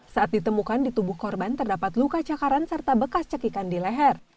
saat ditemukan di tubuh korban terdapat luka cakaran serta bekas cekikan di leher